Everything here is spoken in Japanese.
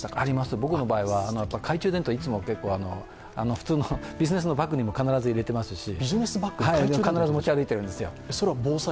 僕の場合は懐中電灯をビジネスバッグにも入れていますし、必ず持ち歩いてるんですよ。